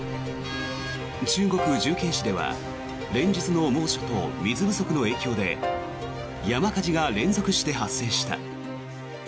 中国・重慶市では連日の猛暑と水不足の影響で山火事が連続して発生した。